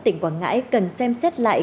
tỉnh quảng ngãi cần xem xét lại